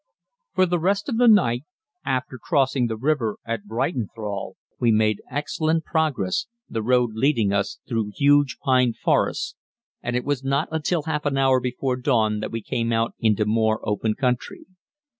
For the rest of the night, after crossing the river at Breitenthal, we made excellent progress, the road leading us through huge pine forests, and it was not until half an hour before dawn that we came out into more open country.